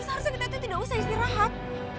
seharusnya kita itu tidak usah istirahat